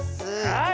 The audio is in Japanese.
はい！